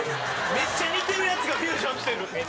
めっちゃ似てるヤツがフュージョンしてる。